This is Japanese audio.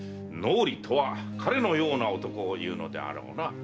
能吏とは彼のような男をいうのであろうな。